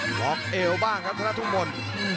หลอกเอวบ้างครับทั้งนั้นทุ่งม้อน